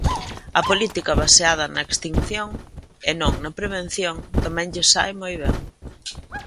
A política baseada na extinción e non na prevención, tamén lles sae moi ben.